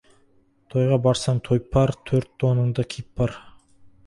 Тойға барсаң, тойып бар, төрт тоныңды киіп бар.